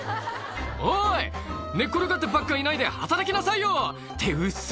「おい寝っ転がってばっかいないで働きなさいよ」ってウッソ！